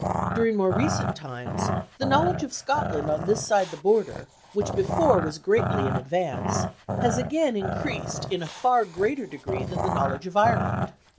" During more recent times, the knowledge of Scotland on this side the border, which before was greatly in advance, has again increased in afar greater degree than the knowledge of Ireland.